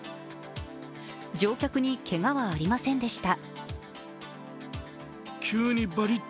乗客にけがはありませんでした。